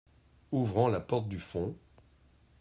Ouvrant la porte du fond.